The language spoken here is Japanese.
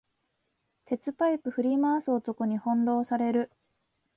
鉄パイプ振り回す男に翻弄される